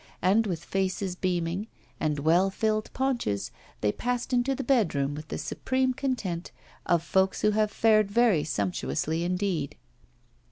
And, with faces beaming, and well filled paunches, they passed into the bedroom with the supreme content of folks who have fared very sumptuously indeed.